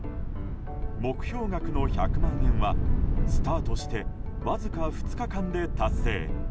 目標額の１００万円はスタートしてわずか２日間で達成。